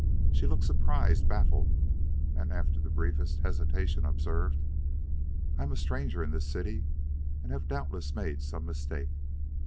She looked surprised baffled, and after the briefest hesitation, observed: "I am a stranger in this city and have doubtless made some mistake.